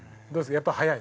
やっぱ速い？